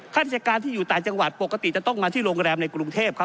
ราชการที่อยู่ต่างจังหวัดปกติจะต้องมาที่โรงแรมในกรุงเทพครับ